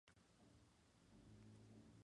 Feliciano Olvera, quitándole una gran impedimenta.